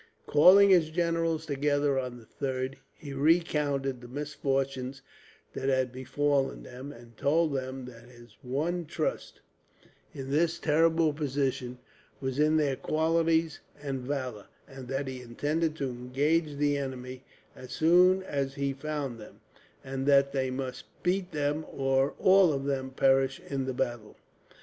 Calling his generals together on the 3rd, he recounted the misfortunes that had befallen them; and told them that his one trust, in this terrible position, was in their qualities and valour; and that he intended to engage the enemy, as soon as he found them, and that they must beat them or all of them perish in the battle.